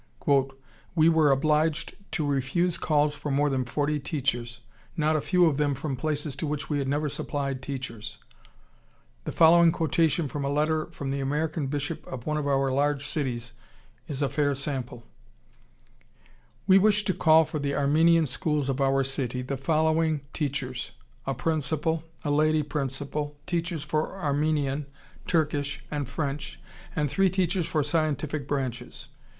"We were obliged to refuse calls for more than forty teachers, not a few of them from places to which we had never supplied teachers. The following quotation from a letter from the Armenian Bishop of one of our large cities is a fair sample: 'We wish to call for the Armenian schools of our city the following teachers: a principal, a lady principal, teachers for Armenian, Turkish, and French, and three teachers for scientific branches.